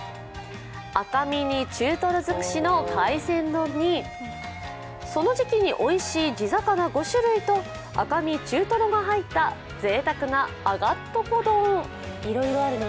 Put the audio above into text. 赤身に中トロ尽くしの海鮮丼にその時期においしい地魚５種類と赤身中トロが入ったぜいたくなあがっとこ丼。